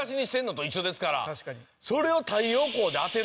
それを。